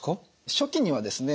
初期にはですね